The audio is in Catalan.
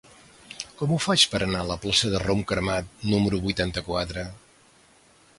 Com ho faig per anar a la plaça del Rom Cremat número vuitanta-quatre?